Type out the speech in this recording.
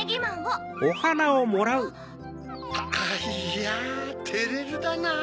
いやてれるだな。